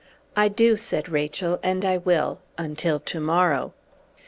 "I do," said Rachel, "and I will until to morrow."